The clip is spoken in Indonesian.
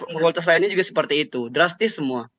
fakultas lainnya juga seperti itu drastis semua